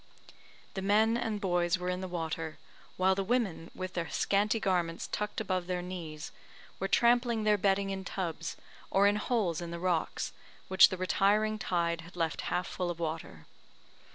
The men and boys were in the water, while the women, with their scanty garments tucked above their knees, were trampling their bedding in tubs, or in holes in the rocks, which the retiring tide had left half full of water.